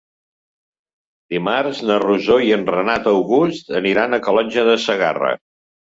Dimarts na Rosó i en Renat August aniran a Calonge de Segarra.